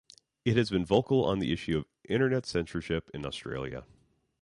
It has been vocal on the issue of Internet censorship in Australia.